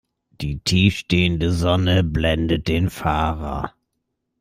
Die tief stehende Sonne blendet den Fahrer.